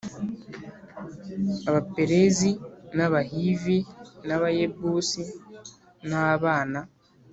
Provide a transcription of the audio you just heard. Abaperizi n Abahivi n Abayebusi nabana